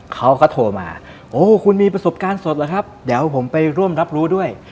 เขาก็โทรมาโอ้คุณมีประสบการณ์สดเหรอครับเดี๋ยวผมไปร่วมรับรู้ด้วย